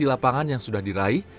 di lapangan yang sudah diraih